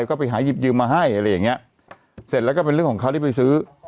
ก็ไปหาหยิบยืมมาให้อะไรอย่างเงี้ยเสร็จแล้วก็เป็นเรื่องของเขาที่ไปซื้อ